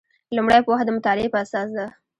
لومړۍ پوهه د مطالعې په اساس ده.